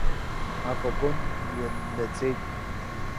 Авагон мҩаннаҵеит.